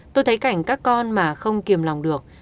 tôi thấy cảnh các con mà không kiềm lòng được